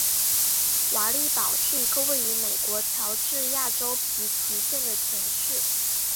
瓦利堡是一个位于美国乔治亚州皮奇县的城市。